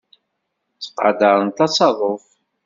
Ttqadarent asaḍuf.